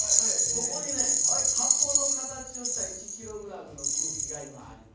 ここにね箱の形をした１ｋｇの空気が今あります。